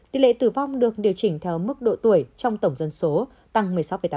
tỷ lệ tử vong được điều chỉnh theo mức độ tuổi trong tổng dân số tăng một mươi sáu tám